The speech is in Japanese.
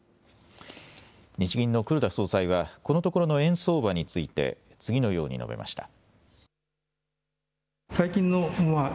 日銀の黒田総裁は、このところの円相場について、次のように述べました。